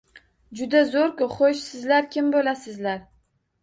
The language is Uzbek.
— Juda zo‘r-ku! Xo‘sh, sizlar kim bo‘lasizlar?